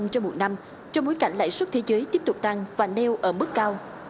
hai trong mỗi năm trong bối cảnh lãi xuất thế giới tiếp tục tăng và neo ở mức cao